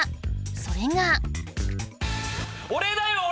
それが俺だよ俺！